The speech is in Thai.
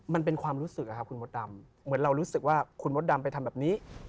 มันเป็นความรู้สึกอะครับคุณมดดำเหมือนเรารู้สึกว่าคุณมดดำไปทำแบบนี้